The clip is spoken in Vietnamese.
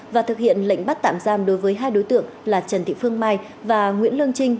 và thực hiện lệnh bắt tạm giam đối với hai đối tượng là trần thị phương mai và nguyễn lương trinh